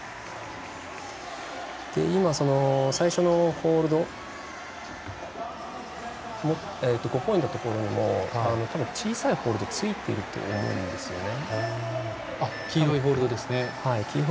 今、最初のホールド５ポイントのところたぶん、小さなホールドついていると思うんですよね。